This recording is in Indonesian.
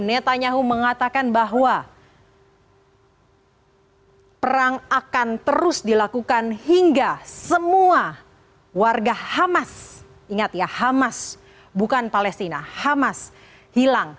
netanyahu mengatakan bahwa perang akan terus dilakukan hingga semua warga hamas ingat ya hamas bukan palestina hamas hilang